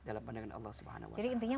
dalam pandangan allah swt jadi intinya